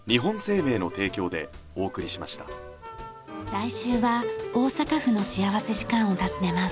来週は大阪府の幸福時間を訪ねます。